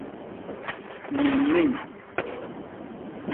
Me nniñ.